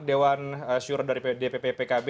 dewan syuro dari dpp pkb